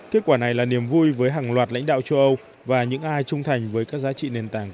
kết quả này là niềm vui với hàng loạt lãnh đạo châu âu và những ai trung thành với các giá trị nền tảng